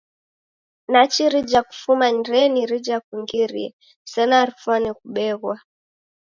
Nachi rija kufunya ni reni rija kungirie, sena rifwane kubeghwa!